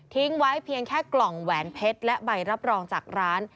ไว้เพียงแค่กล่องแหวนเพชรและใบรับรองจากร้าน